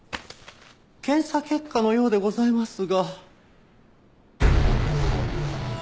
検査結果のようでございますが。